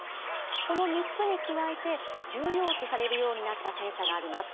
この３つに加えて重要視されるようになった検査があります。